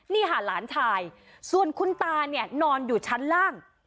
นี่ค่ะหลานชายส่วนคุณตาเนี่ยนอนอยู่ชั้นล่าง